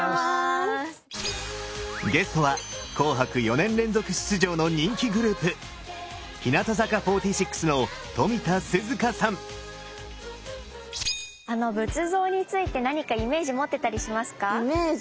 ゲストは「紅白」４年連続出場の人気グループ仏像について何かイメージ持ってたりしますか？イメージ？